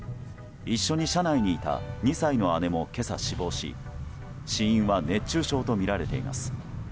一緒に車内にいた２歳の姉も今朝、死亡し死因は熱中症とみられています。